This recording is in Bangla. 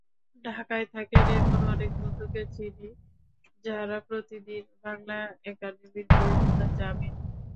ঢাকায় থাকেন এমন অনেক বন্ধুকে চিনি, যাঁরা প্রতিদিন বাংলা একাডেমির বইবেলায় যাবেনই।